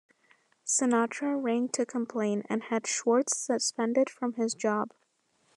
Sinatra rang to complain, and had Schwartz suspended from his job.